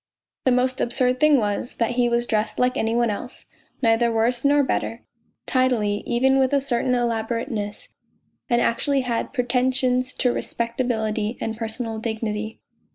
The most absurd thing was, that he was dressed like any one else, neither worse nor better, tidily, even with a certain elaborateness, and actually had pretentions to respect ability and personal dignity.